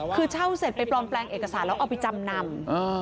คือเช่าเสร็จไปปลอมแปลงเอกสารแล้วเอาไปจำนำ